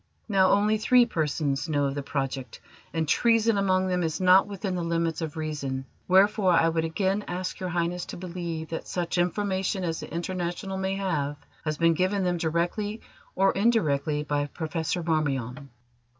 Now, only three persons know of the project, and treason among them is not within the limits of reason, wherefore I would again ask Your Highness to believe that such information as the International may have has been given them directly or indirectly by Professor Marmion."